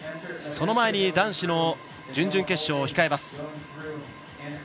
その前に男子の準々決勝を控えます。